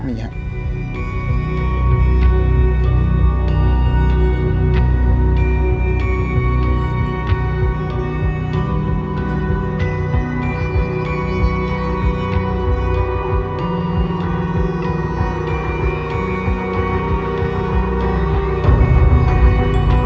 มีครับ